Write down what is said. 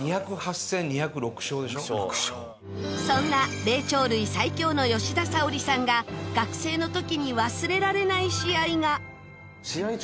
そんな霊長類最強の吉田沙保里さんが学生の時に忘れられない試合が。